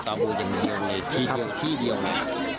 ตามูอย่างเดียวไงที่เดียวค่ะ